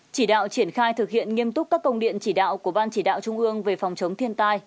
chỉ đạo triển khai thực hiện nghiêm túc các công điện chỉ đạo của ban chỉ đạo trung ương về phòng chống thiên tai